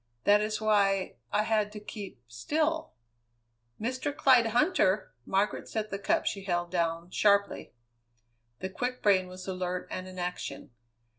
That is why I had to keep still " "Mr. Clyde Huntter?" Margaret set the cup she held, down sharply. The quick brain was alert and in action.